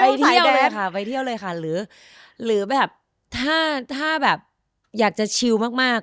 ไปเที่ยวได้ค่ะไปเที่ยวเลยค่ะหรือแบบถ้าถ้าแบบอยากจะชิลมากมาก